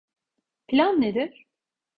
Plan nedir?